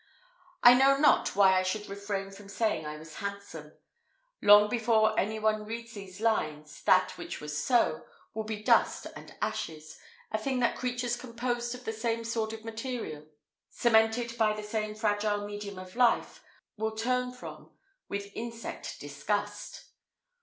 I know not why I should refrain from saying I was handsome. Long before any one reads these lines, that which was so, will be dust and ashes a thing that creatures composed of the same sordid materials, cemented by the same fragile medium of life, will turn from with insect disgust.